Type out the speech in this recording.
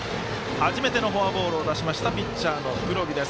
初めてのフォアボールを出しましたピッチャーの黒木です。